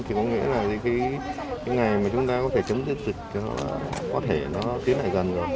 thì có nghĩa là cái ngày mà chúng ta có thể chấm dứt dịch thì nó có thể tiến lại dần rồi